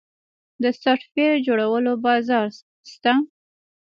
د سافټویر جوړولو بازار شته؟